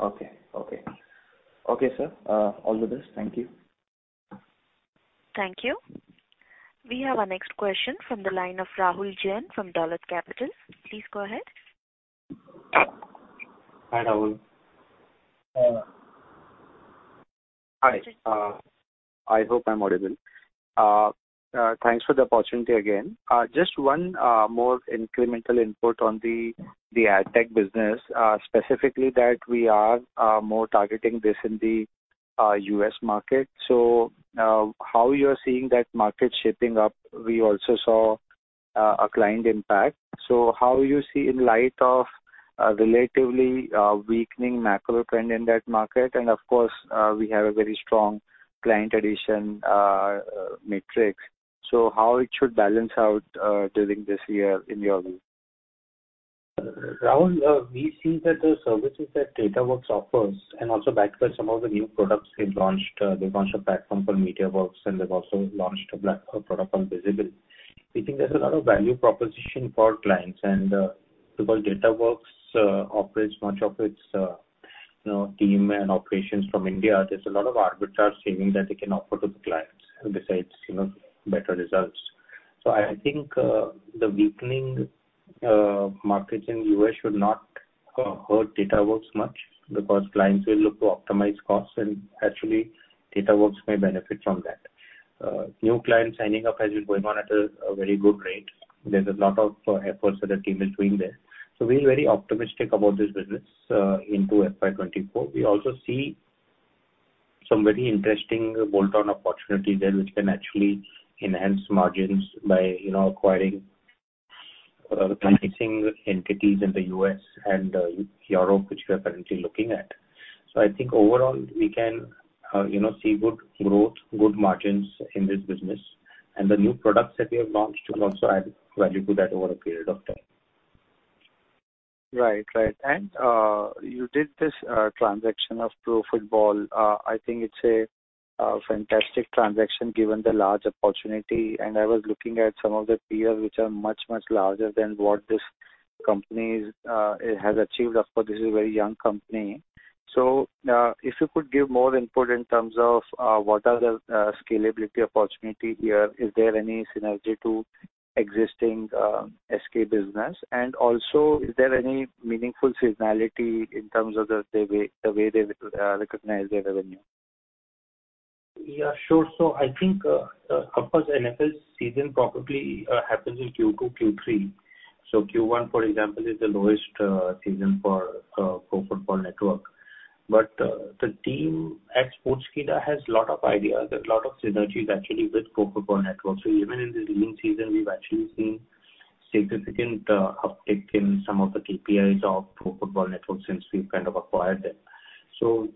Okay. Okay. Okay, sir, all the best. Thank you. Thank you. We have our next question from the line of Rahul Jain from Dolat Capital. Please go ahead. Hi, Rahul. Hi, I hope I'm audible. Thanks for the opportunity again. Just one more incremental input on the AdTech business, specifically that we are more targeting this in the U.S. market. So, how you're seeing that market shaping up? We also saw a client impact. So how you see in light of a relatively weakening macro trend in that market, and of course, we have a very strong client addition matrix. So how it should balance out during this year, in your view? Rahul, we see that the services that Datawrkz offers and also backed by some of the new products they've launched, they've launched a platform called Mediawrkz, and they've also launched a product called Vizibl. We think there's a lot of value proposition for clients, and because Datawrkz operates much of its, you know, team and operations from India, there's a lot of arbitrage savings that they can offer to the clients, besides, you know, better results. So I think the weakening markets in U.S. should not hurt Datawrkz much, because clients will look to optimize costs, and actually, Datawrkz may benefit from that. New clients signing up has been going on at a very good rate. There's a lot of efforts that the team is doing there. So we're very optimistic about this business into FY 2024. We also see some very interesting bolt-on opportunities there, which can actually enhance margins by, you know, acquiring pricing entities in the U.S. and Europe, which we are currently looking at. So I think overall, we can, you know, see good growth, good margins in this business. And the new products that we have launched will also add value to that over a period of time. Right. Right. And, you did this transaction of Pro Football. I think it's a fantastic transaction given the large opportunity. And I was looking at some of the peers, which are much, much larger than what this company is, it has achieved. Of course, this is a very young company. So, if you could give more input in terms of what are the scalability opportunity here? Is there any synergy to existing SK business? And also, is there any meaningful seasonality in terms of the way they recognize their revenue? Yeah, sure. So I think, of course, NFL season probably happens in Q2, Q3. So Q1, for example, is the lowest season for Pro Football Network. But the team at Sportskeeda has a lot of ideas, a lot of synergies actually with Pro Football Network. So even in the leading season, we've actually seen significant uptick in some of the KPIs of Pro Football Network since we've kind of acquired them. So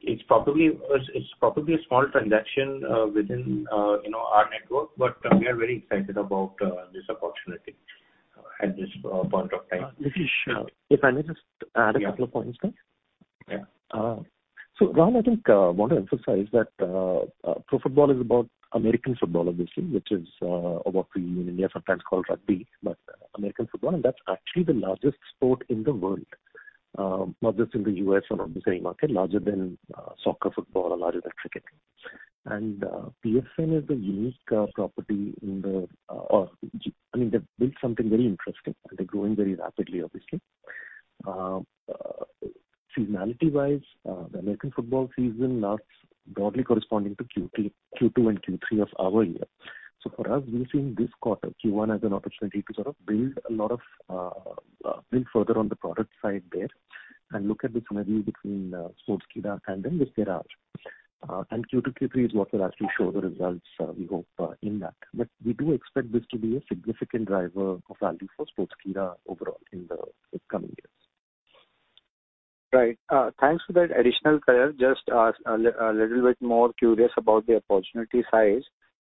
it's probably a small transaction within you know, our network, but we are very excited about this opportunity at this point of time. If I may just add a couple of points there. Yeah. So Rahul, I think, I want to emphasize that, Pro Football is about American football, obviously, which is, what we in India sometimes call rugby, but American football, and that's actually the largest sport in the world, not just in the U.S. or North American market, larger than, soccer, football, or larger than cricket. And, PFN is a unique, property in the, I mean, they've built something very interesting, and they're growing very rapidly, obviously. Seasonality-wise, the American football season lasts broadly corresponding to Q3-Q2 and Q3 of our year. So for us, we've seen this quarter, Q1, as an opportunity to sort of build a lot of, build further on the product side there and look at the synergy between, Sportskeeda and then the PFN. Q2, Q3 is what will actually show the results, we hope, in that. But we do expect this to be a significant driver of value for Sportskeeda overall in the upcoming years. Right. Thanks for that additional color. Just a little bit more curious about the opportunity size.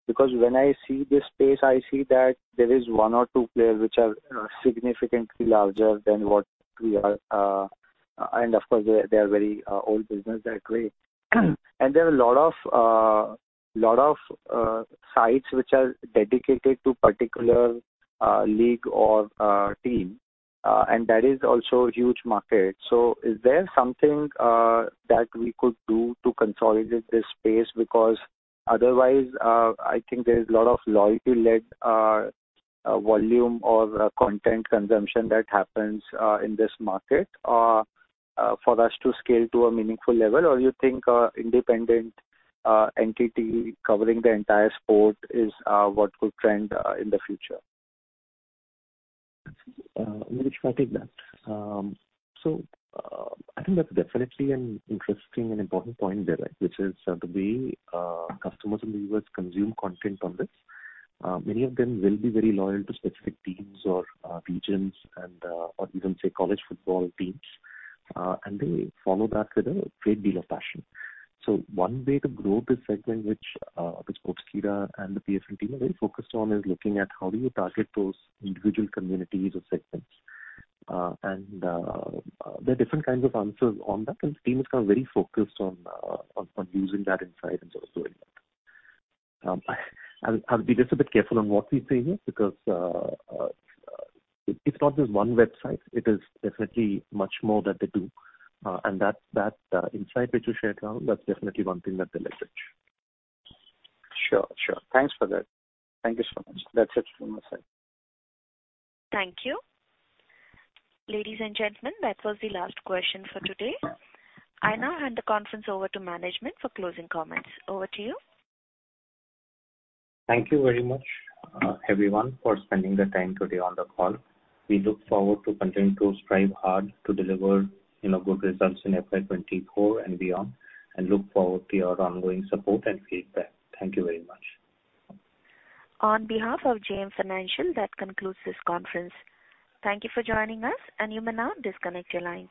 Because when I see this space, I see that there is one or two players which are significantly larger than what we are. And of course, they are very old business that way. And there are a lot of sites which are dedicated to particular league or team, and that is also a huge market. So is there something that we could do to consolidate this space? Because otherwise, I think there is a lot of loyalty-led volume or content consumption that happens in this market for us to scale to a meaningful level. Or you think independent entity covering the entire sport is what could trend in the future? Sudhir, I'll take that. So, I think that's definitely an interesting and important point there, right? Which is, the way, customers and viewers consume content on this. Many of them will be very loyal to specific teams or, regions and, or even say, college football teams, and they follow that with a great deal of passion. So one way to grow this segment, which, the Sportskeeda and the PFN team are very focused on, is looking at how do you target those individual communities or segments. And, there are different kinds of answers on that, and the team is, kind of, very focused on, on using that insight and sort of doing that. I'll be just a bit careful on what we say here, because, it's not just one website. It is definitely much more that they do, and that insight which you shared, Ram. That's definitely one thing that they leverage. Sure, sure. Thanks for that. Thank you so much. That's it from my side. Thank you. Ladies and gentlemen, that was the last question for today. I now hand the conference over to management for closing comments. Over to you. Thank you very much, everyone, for spending the time today on the call. We look forward to continuing to strive hard to deliver, you know, good results in FY 2024 and beyond, and look forward to your ongoing support and feedback. Thank you very much. On behalf of JM Financial, that concludes this conference. Thank you for joining us, and you may now disconnect your lines.